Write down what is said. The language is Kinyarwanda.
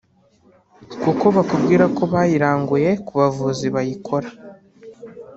kuko bakubwira ko bayiranguye ku bavuzi bayikora